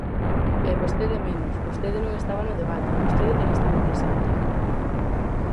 E vostede menos, vostede non estaba no debate, vostede nin estivo presente.